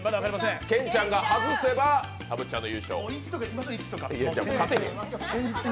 健ちゃんが外せばたぶっちゃんが優勝。